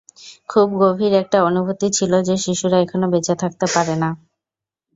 খুব গভীর একটা অনুভূতি ছিল যে শিশুরা এখনও বেঁচে থাকতে পারে না।